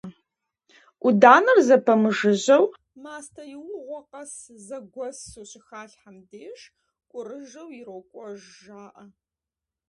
Ӏуданэр зэпэмыжыжьэу, мастэ иугъуэ къэс зэгуэсу щыхалъхьэм деж кӏурыжэу ирокӏуэж жаӀэ.